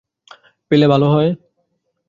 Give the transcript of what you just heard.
পেলে ভালো হয়।